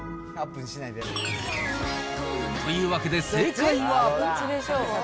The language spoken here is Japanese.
というわけで、正解は。